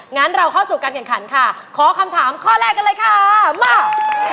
งั้นเราเข้าสู่การแข่งขันค่ะขอคำถามข้อแรกกันเลยค่ะมา